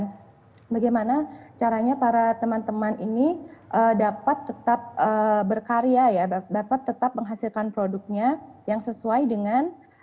dan bagaimana caranya para teman teman ini dapat tetap berkarya dapat tetap menghasilkan produknya yang sesuai dengan